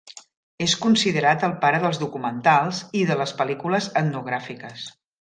És considerat el "pare" dels documentals i de les pel·lícules etnogràfiques.